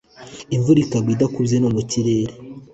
Imvura ikagwa idakubye no mu kirere